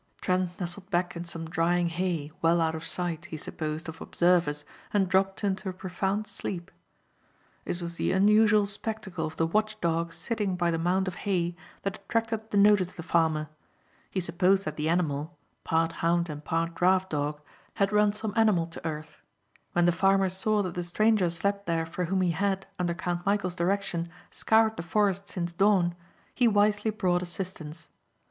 Trent nestled back in some drying hay, well out of sight, he supposed, of observers and dropped into a profound sleep. It was the unusual spectacle of the watch dog sitting by the mound of hay that attracted the notice of the farmer. He supposed that the animal part hound and part draft dog had run some animal to earth. When the farmer saw that the stranger slept there for whom he had, under Count Michæl's direction, scoured the forest since dawn, he wisely brought assistance.